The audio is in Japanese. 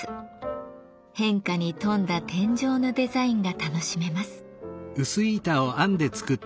変化に富んだ天井のデザインが楽しめます。